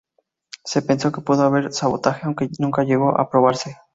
Se pensó que pudo haber sabotaje, aunque nunca llegó a probarse.